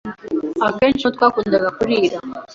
akenshi niho twakundaga kurira,